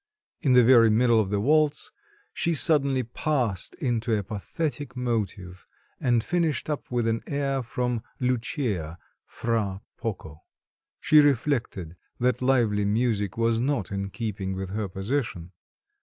In the very middle of the waltz she suddenly passed into a pathetic motive, and finished up with an air from "Lucia" Fra poco... She reflected that lively music was not in keeping with her position.